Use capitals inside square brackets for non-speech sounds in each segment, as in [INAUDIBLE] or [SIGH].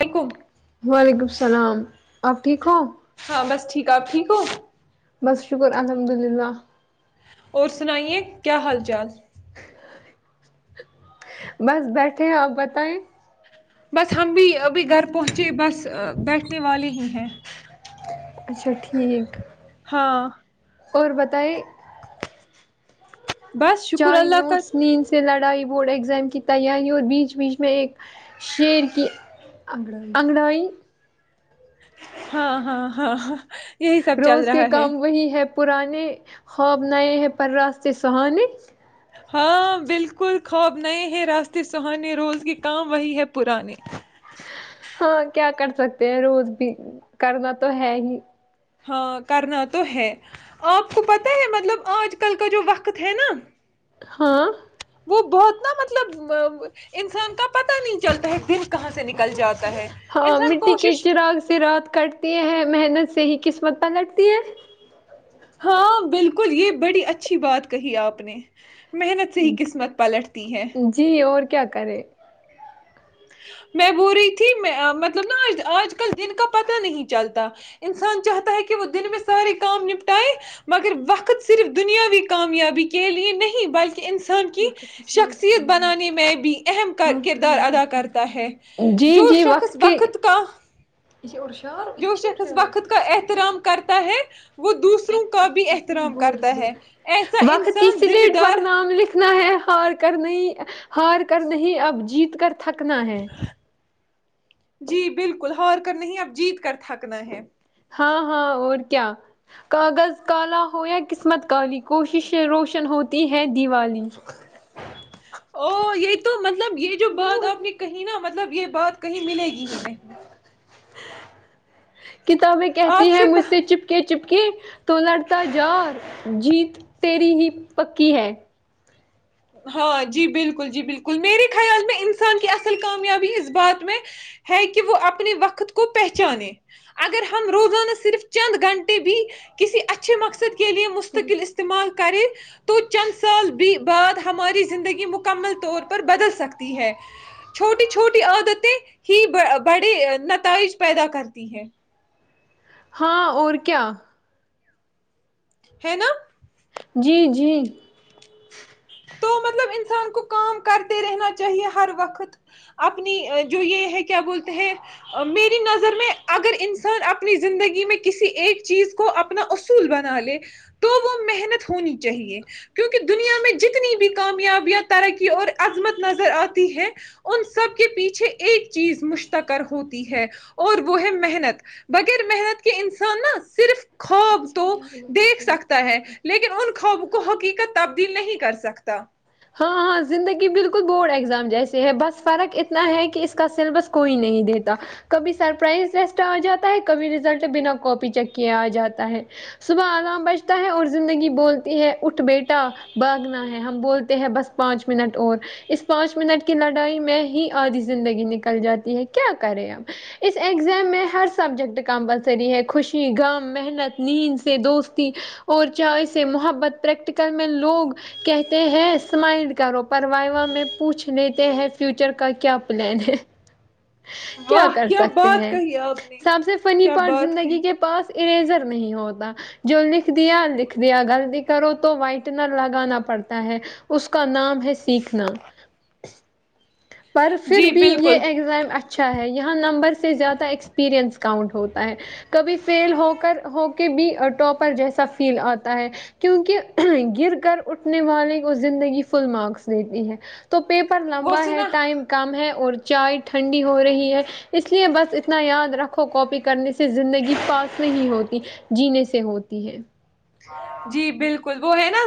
وعلیکم وعلیکم الل سلام آپ ٹھیک ہو ہاں بس ٹھیک آپ ٹھیک ہو بس شکر الحمد للہلہ اور سنائیے کیا حال چال بس بیٹھے ہیں آپ بتائیں بس ہم بھی ابھی گھر پہنچ ج بس بیٹھنے والی ہوں ہے اچھا ٹھیک ہاں اور بتائیں بس شکر چائے اللہ کا نوٹس نیند سے لڑائی بورڈ ایگزام کیتا عنی اور بیچ بیچ میں ایک شیر کی انگڑائی ہاں ہاں ہاں ہاں یہی سب چل روز کے رہا ہے کام وہی ہے پرانے خواب نئے ہیں پر راستتے سہانیے ہاں بالکل خواب نئے ہیں راستے سہانے روز کے کام وہی ہے پرانے ہاں کیا کر سکتے ہیں روز بھی کرنا تو ہے ہی ہاں کرنا تو ہے آپ کو پتا ہے مطلب آج کل کا جو وقت ہے نا ہاں وہ بہت نا مطلب انسان کا پتاہ نہیں چلتا ہے دل کہاں سے نکل جاتا ہے ہاں انسان مٹی کے کوشش چراغ سے رات کاٹتی ہیں محنت سے ہی کس پتہ لگتی ہے ہاں بالکل یہ بڑی اچھی بات کہی آپ نے محنت سے ہی قسمت پلٹتی ہے کیا کیا کرے میں بول رہی تھی میں مطلب ناج آج کل دن کا پتہ نہیں چلتا انسان چاہتا ہے کہ وہ دن میں سارے کام نپٹائے مگر وقت صرف دنیاوی کامیابی کے لیے نہیں بلکہ انسان کی شخصیت بنانے میں بھی اہم کردار ادا کر کرتا ہے جی جو جی شخص کی وقت کا جو شخص وقت کا احترام کرتا ہے وہ دوسروں کا بھی احترام کرتا ہے ایسا وقت کی انسان ذمہ سلیٹ پر دار نام لکھنا ہے ہار کر نہیں ہار کر نہیں اب جیت کر تھکنا ہے جی بالکل ہ کر نہیں اب جیت کر تھکنا ہے ہاں ہاں اور کیا کاغذ کالا ہو یا قسمت کالی کوشش روشن ہوتی ہے دیوالی او یہ تو م مطلب یہ جو بات آپ نے کہی نا مطلب یہ بات کہیں ملے گی ہی نہیں کتابیں کہتی ہیں مجھ سے چپکے چپکے تو لڑتا جار جیت تری ہی پکی ہے ہاں جی بالکل جی بالکل میرے خیال میں انسان کی اصل کامیابی اس بات میں ہے کہ وہ اپنے وقت کو پہچانے اگر ہم روزانہ صرف چند گھنٹے بھی کسی اچھے مقصد کے لیے مستقل استعمال کریں تو چند سال بعد ہماری زندگی مکمل طور پر بدل سکتی ہے چھوٹی چھوٹی عادتیں ہی بڑے نتائج پیدا کرتی ہیں ہاں اور کیا ہے نا جی جی تو مطلب انسان کو کام کرتے رہنا چاہیے ہر وقت اپنی جو یہ ہے کیا بولتے ہیں میری نظر میں اگر انسان اپنی زندگی میں کسی ایک چیز کو اپنا اصول بنا لے تو وہ محنت ہونی چاہیے کیونکہ دنیا میں جتنی بھی کامیابیاں ترقی اور عظمت نظر آتی ہے ان سب کے پیچھے ایک چیز مشتکر ہوتی ہے اور وہ ہے محنت بغیر محنت کے انسان نہا صرف خوب تو دیکھ سکتا ہے لیکن ان خواب کو حقیق تبدیل نہیں کر سکتا ہاں ہاں زندگی بالکل بورڈ ایگزام جیس ہے بس فرق اتنا ہے کہ اس کا سلیبس کوئی نہیں دیتا کبھی سرپرائز ریسٹ آ جاتا ہے کبھی رزلٹ بنا کاپی چیک کے آ جاتا ہے صبح آرام بجتا ہے اور زندگی بولتی ہے اٹھ بیٹا بھاگنا ہے ہم بولتے بس پانچ منٹ اور اس پانچ منٹ کی لڑائی میں ہی آدھی زندگی نکل جاتی ہے کیا کرے اب اس ایگزام میں ہر سبجیکٹ کمپلسری ہے خوشی غم محنت نیند سے دوستی اور چائے سے محبت پریکٹیکل میں لوگ کہتے ہیں اسمائل کرو پرووا میں پوچھ لیتے ہیں فیوچر کا کیا پلان ہے کیا واہ کر سکتے بات ہیں کہی آپ نے سب سے فنی کیا پارٹ بات کہی زندگی کے پاس اریزر نہیں ہوتا جو لکھ دیا لکھ دیا غلطی کرو تو وائٹنر لگانا پڑتا ہے اس کا نام ہے سیکھنا پر پھر جی بھی یہ بالکل ایگزام اچھا ہے یہاں نمبر سے زیادہ ایکسپریئنس کاؤنٹ ہوتا ہے کبھی فیل ہو کر ہو کے بھی ٹاپر جیسا فیل آتا ہے کیونکہ گر کر اٹھنے والے زندگی فل مارکس دیتی ہے تو تو پیپر وہ لمبا ہے سنا ٹائم کم ہے اور چائے ٹھنڈی ہو رہی ہے اس لیے بس اتنا یاد رکھو کاپی کرنے سے زندگی پاس نہیں ہوتی جینے سے ہوتی ہے جی بالکل وہ ہے نا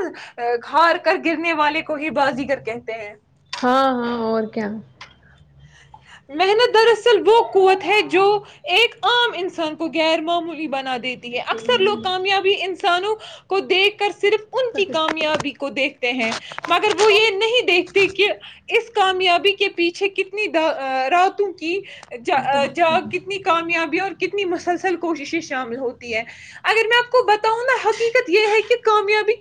ہار کر گرنے والے کو ہی بازی کر کہتے ہیں ہاں ہاں اور کیا محنت دراصل وہ قوت ہے جو ایک عام انسان کو غیر معمولی بنا د دیتی ہے اکثر لوگ کامیابی انسانوں کو کو دیکھ کر س صرف ان کی کامیابی کو دیکھتے ہیں مگر وہ یہ نہیں دیکھتے کہ اس کامیابی کے پیچھے کتنی راتوں کی ج جاگ کتنی کامیابی اور کتنی مسلسل کوششیں شامل ہوتی ہے اگر میں آپ کو بتاؤں نا حقیقت یہ ہے کہ کامیابی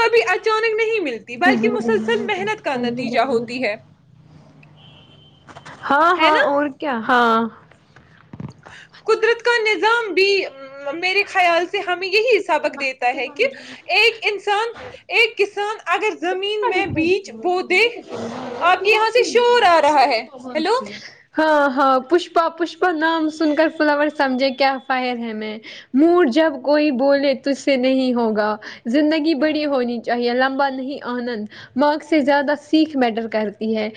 کبھی اچانک نہیں مل ت بلکہ مسلسل محنت کا نتیجہ ہوتی ہے ہاں ہے ہاں نا اور کیا ہاں قدرت کانیا ازام بھی میرے خیال سے ہمیں یہ ہی سبق دیتا ہے کہ ایک انسان ایک کسان [UNINTELLIGIBLE] میں بیج بو دے آپ کے یہاں سے شور آ رہا ہے ہیلو [UNINTELLIGIBLE] ہاں ہاں پشپا پشپا نام سن کر فلاور سمجھے کیا فائر ہے میں مور جب کوئی بولے تج سے نہیں ہوگا زندگی بڑی ہونی چاہیے لمبا نہیں آنند مارک سے زیادہ سیکھ میٹر کرتی ہے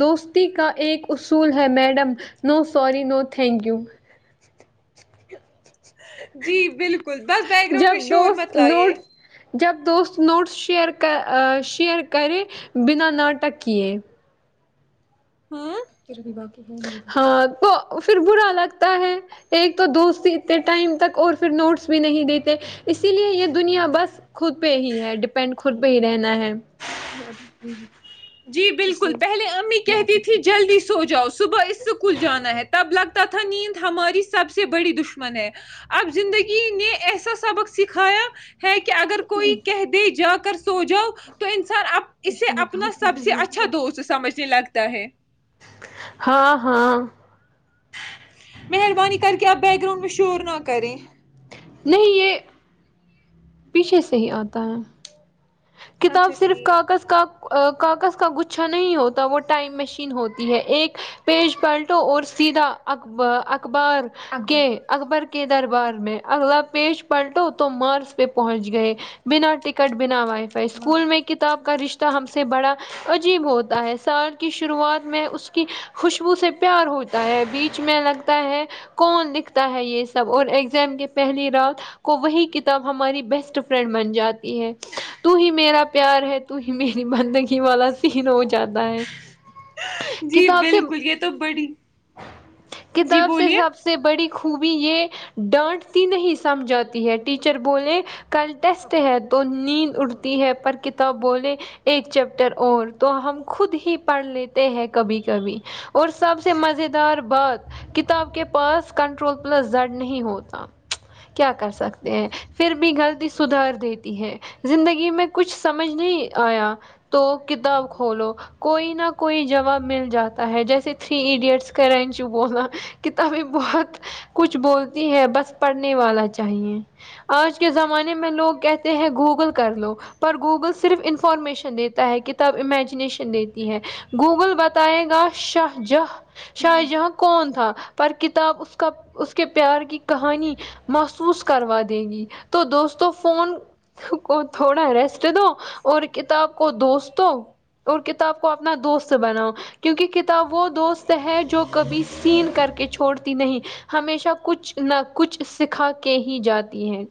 دوستی کا ایک اصول ہے madam no sorry no thank you جی بالکل بس بییک گراؤنڈ جب میں شور دوست مطلب یہ نوٹ جب دوست نوٹس شیئر شیئر کرے بنا ناٹکے [UNINTELLIGIBLE] ہاں تو پھر برا لگتا ہے ایک تو دوست سیتے ٹائم تک اور پھر نوٹس بھی نہیں دیتے اسی لیے یہ دنیا بس خود پہ ہی ہے ڈیپینڈ خود پہ ہی رہنا ہے جی بالکل پہلے امی کہتی تھی جلدی سے سو جاؤ صبح اسکول جانا ہے تب لگتا تھا نیند ہماری سب سے بڑی دشمن ہے اب زندگی نے ایسا سبق سکھایا ہے کہ اگر کوئی کہہ دے جا کر سو جاؤ تو انسان اسے اپنا سب سے اچھا دوست سمج [UNINTELLIGIBLE] [UNINTELLIGIBLE] مہربانی کر کے آپ بیک گراؤنڈ میں شور نہ کریں [UNINTELLIGIBLE] پیچھے سے ہی آتا ہے کتاب اچھا صرف ٹھیک کاغذ کا کاغذ کا گچھا نہیں ہوتا وہ ٹائم مشین ہوتی ہے ایک پیج پلٹو اور سیدھا ا اخبار کے اکبر کے دربار میں اگلا پیج پلٹو تو مارس پہ پہنچ گئے بنا ٹکٹ بنا وائے اسکول میں کتاب کا رشتہ ہم سے بڑا عجیب ہوتا ہے سال کی شروعات میں اس کی خوشبو سے پیار ہوتا ہے بیچ میں لگتا ہے کون لکھتا ہے یہ سب اور ایگزام کے پہلی رات کو وہی کتاب ہماری بیسٹ فرینڈ بن جاتی ہے تو ہی میرا پیار ہے تو ہی میری بندگی والا سین ہو جاتا ہے جی کتاب سے بالکل یہ تو بڑی جی کتاب سے بولیے سب سے بڑی خوبی یہ ڈانٹتی نہیں سمجھاتی ہے ٹیچر بولے کل ٹیسٹ ہے تو نیند اردو ہے پر کتاب بولے ایک چیپٹر اور تو ہم خود ہی پڑھ لیتے ہیں کبھی کبھی اور سب سے مز دار بات کتاب کے پاس کنٹرول پلس زڑ نہیں ہوتا کیا کر سکتے ہیں پھر بھی غلطی سدھار دیتی ہے زندگی میں کچھ سمجھ نہیں آیا تو کتاب کھولو کوئی نہ کوئی جواب مل جاتا ہے جیسے تھری ایڈیٹس کا رینچو بولا کتابیں بہت کچھ بولتی ہے بس پڑھنے والا چاہیے آج کے زمانے میں لوگ کہتے ہیں گوگل کر لو پر گوگل صرف انفارمیشن دیتا ہے کتاب امیجنییشن دیتی ہے گوگل بتائے گا شاہ جاں شاہ جہاں کون تھا پر کتاب اس کا اس کے پیار کی کہانی محسوس کروا دے گی تو دوستوں فون تھوڑا ریسٹ دو اور کتاب کو دوست دو اور کتاب کو اپنا دوست بناؤ کیونک کتاب وہ دوست ہے جو کبھی سین کر کے چھوڑتی نہیں ہمیشہ کچھ نہ کچھ سکھا کے ہی جاتی ہے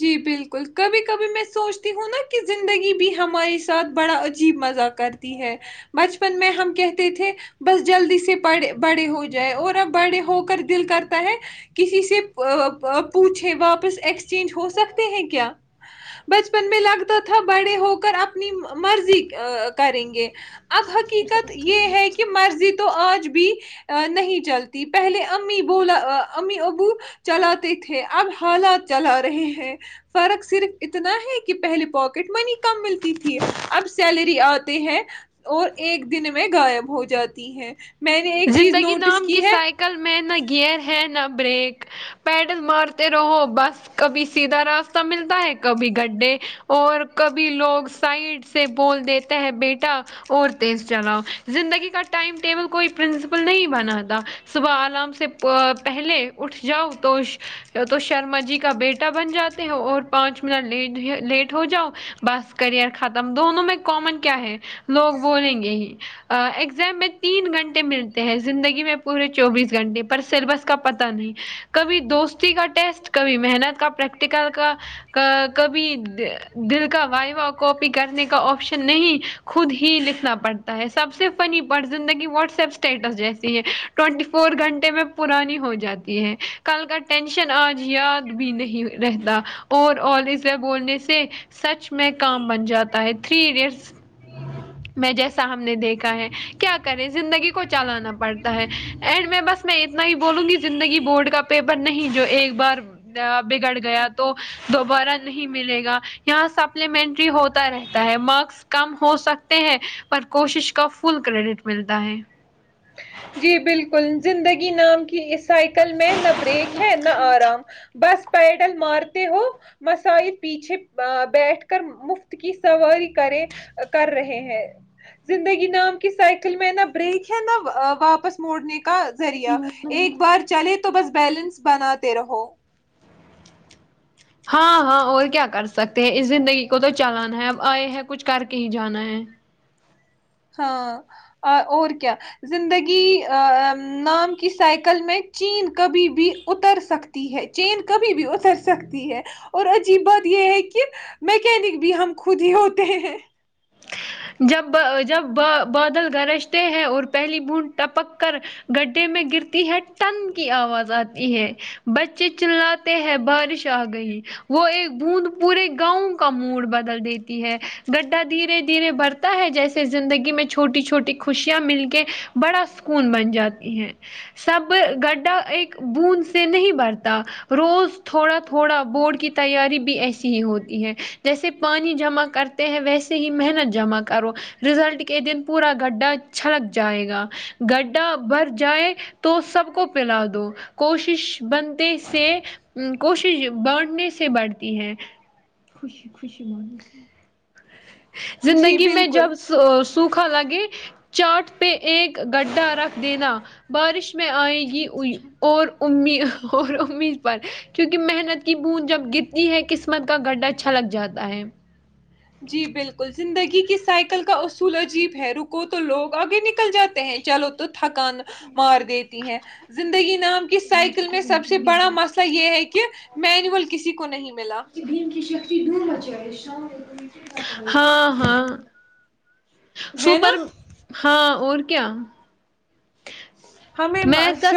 جی بالکل کبھی کبھی میں سوچتی ہوں نا کہ زندگی بھی ہمارے ساتھ بڑا عجیب مزاق کرتی ہے بچپن میں ہم کہتے تھے بس جلدی سےے بڑے ہو جائے اور اب بڑے ہو کر دل کرتا ہے کسی سے پوچھے واپس ایک چینج ہو سکتے ہیں کیا بچپن میں لگتا تھا بڑے ہو کر اپنی مرضی کریں گے اب حقیقت یہ ہے کہ مرضی تو آج بھی نہیں چلتی پہلے امی بولا امی ابو چلاتے تھے اب حالات چلا رہے ہیں فرق صرف اتنا ہے کہ پہلے پاکٹ منی کم ملتی تھی اب سیلری آتے ہیں اور ایک دن میں غائب ہو جاتی ہے میں نے ایک چیز زندگی نوٹس نام کی ہے سائیکل میں نہ گیئر ہے نہ بریک پیڈل مارتے رہو بس کبھی سیدھا راستہ ملتا ہے کبھی گڈھے اور کبھی لوگ سائڈ سے بول دیتے ہے بیٹا اور تیز چلاؤ زندگی کا ٹائم ٹیبل کوئی پرنسپل نہیں بنا تھا صبح آرام سے پہلے اٹھ جاؤ تو تو شرما جی کا بیٹا بن جاتے ہو اور پانچ منٹ لیٹ ہو جاؤ بس کرئر ختم دونوں میں کامن کیا ہے لوگ بولیں گے ہی ایگزام میں تین گھنٹے ملتے ہیں زندگی میں پورے چوبیس گھنٹے پر سلبس کا پت نہیں کبھی دوستی کا ٹیسٹ کبھی محنت کا پریکٹیکل کا کبھی دل کا وائوہ کاپی کرنے کا آپشن نہیں خود ہی لکھنا پڑتا ہے سب سے فنی پ زندگی و اسٹیٹس جی ہے ٹینٹی فور گھنٹے میں پرانی ہو جاتی ہے کل کا ٹینشن آج یاد بھی نہیں رہتا اوور آ اس بولنے سے سچ میں کام بن جاتا ہے تھری ایڈٹ میں جیسا ہم نے دیکھا ہے کیا کریں زندگی کو چلانا پڑتا ہے اینڈ میں بس میں اتنا ہی بولوں گی زندگی بورڈ کا پیپر نہیں جو ایک بار بگڑ گیا تو دوبارہ نہیں ملے گا یہاں سپلیمنٹری ہوتا رہتا ہے مارکس کم ہو سکتے ہیں پر کوشش کا فل کریڈٹ ملتا ہے جی بالکل زندگی نام کی اس سائیکل میں نہ بریک ہے نہ آرام بس پیڈل مارتے ہو مسائد پیچھے بیٹھ کر مفت کی سواری کرے کر رہے ہیں زندگی نام کی سائیکل میں نہ بریک ہے نہ واپس موڑنے کے کا ذریعہ ایک بار چلے تو تو بس بیلنس بناتے رہو ہاں ہاں اور کیا کر سکتے ہیں اس زندگی کو تو چلانا ہے اب آئے ہیں کچھ کر کے ہی جانا ہے ہاں اور کیا زندگی نام کی سائیکل میں چین کبھی بھی اتر سکتی ہے چین کبھی بھی اتر سکتی ہے اور عجیب بات یہ ہے کہ میکینک بھی ہم خود ہی ہوتے ہیں جب بادل گرجتے ہیں اور پہلی بوڈ ٹپک کر گڈھے میں گرتی ہے تن کی آواز آ ہے بچے چلاتے ہیں بارش آ گئی وہ ایک بوند پورے گاؤں کا موڈ بدل دیتی ہے گڈھا دھیرے برتا ہے جیسے زندگی میں چھوٹی چھوٹی خوشیاں مل کے بڑا سکون بن جاتی ہیں سب گڈھا ایک بوند سے نہیں برتا روز تھوڑا تھوڑا بورڈ کی تیاری بھی ایسی ہی ہوتی ہے جیسے پانی جمع کرتے ہیں ویسے ہی محنت جمع کرو رزلٹ کے دن پورا گڈھا چھلک جائے گا گڈھا بر جائے تو سب کو پلا دو کوشش بنتے سے کوشش بٹنے سے بڑھتی ہے خش خش ج جی زندگی میں بالکل جب سوکھا لگے چاٹ پہ ایک گڈھا رکھ دینا بارش میں آئے گی اور ا اور امید پر کیونکہ محنت کی بوند جب گتتی ہے قسمت کا گڈھا چھلک جاتا ہے جی بالکل زندگی کی سائیکل کا اصول عجیب ہے رکو تو لوگ آگے نکل جاتے ہیں چلو تو تھکان مار دیتی ہے زندگی نام کی سائیکل میں سب سے بڑا مسئلہ یہ ہے کہ مینول کسی کو نہیں ملا فر بج ہے شا ہاں ہاں ہے نا سوپر ہاں اور کیا ہمیں میتھ کا ش